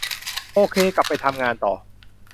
โอเค กลับไปทำงานต่อ